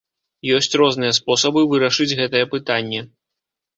Ёсць розныя спосабы вырашыць гэтае пытанне.